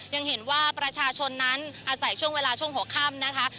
ยังเห็นว่าประชาชนนั้นอาศัยช่วงเวลาช่วงหัวค่ำนะคะ